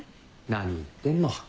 何言ってんの。